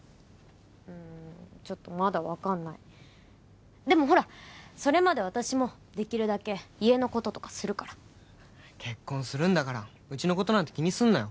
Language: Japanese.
うんちょっとまだわかんないでもほらそれまで私もできるだけ家のこととかするから結婚するんだからうちのことなんて気にすんなよ